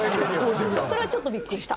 それはちょっとビックリした。